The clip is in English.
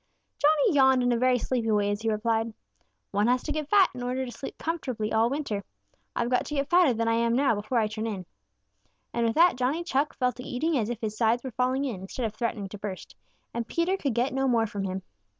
Johnny yawned in a very sleepy way as he replied: "One has to get fat in order to sleep comfortably all winter. I've got to get fatter than I am now before I turn in." And with that, Johnny Chuck fell to eating as if his sides were falling in instead of threatening to burst, and Peter could get no more from him.